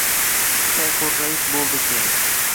Shayxurrais boʼldi keyin